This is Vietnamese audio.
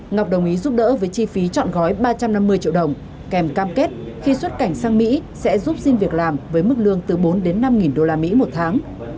ngọc đồng ý giúp đỡ với chi phí trọn gói ba trăm năm mươi triệu đồng kèm cam kết khi xuất cảnh sang mỹ sẽ giúp xin việc làm với mức lương từ bốn năm nghìn đô la mỹ một tháng